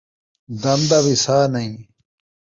دم دا وسا نئیں